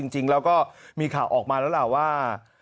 จริงแล้วก็มีข่าวออกมาแล้วล่ะว่า